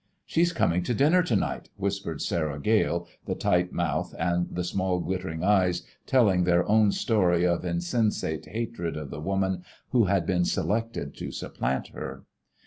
"She's coming to dinner to night," whispered Sarah Gale, the tight mouth and the small glittering eyes telling their own story of insensate hatred of the woman who had been selected to supplant her.